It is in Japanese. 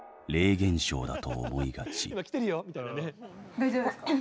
大丈夫ですか？